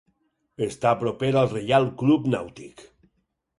Està proper al Reial Club Nàutic.